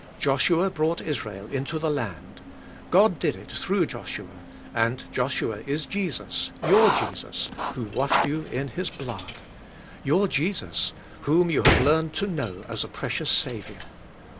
Joshua brought Israel into the land. God did it through Joshua ; and Joshua is Jesus, your Jesus, who washed 3^ou in His blood ; your Jesus, whom 3^ou have learned to know as a precious Saviour.